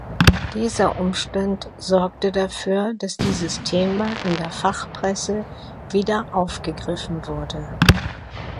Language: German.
Dieser Umstand sorgte dafür, dass dieses Thema in der Fachpresse wieder aufgegriffen wurde.